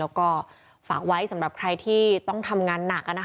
แล้วก็ฝากไว้สำหรับใครที่ต้องทำงานหนัก